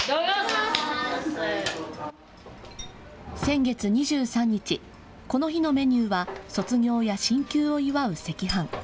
先月２３日、この日のメニューは、卒業や進級を祝う赤飯。